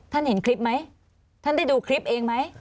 เห็นคลิปไหมท่านได้ดูคลิปเองไหม